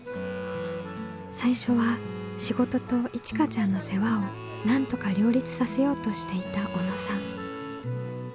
最初は仕事といちかちゃんの世話をなんとか両立させようとしていた小野さん。